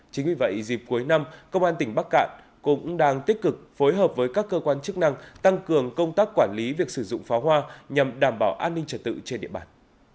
chính vì vậy dịp cuối năm công an tỉnh bắc cạn cũng đang tích cực phối hợp với các cơ quan chức năng tăng cường công tác quản lý việc sử dụng pháo hoa nhằm đảm bảo an ninh trật tự trên địa bàn